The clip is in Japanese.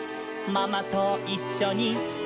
「パパといっしょに」